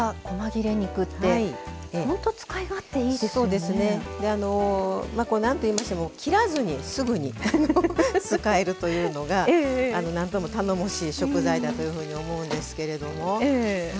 であの何と言いましても切らずにすぐに使えるというのが何とも頼もしい食材だというふうに思うんですけれども。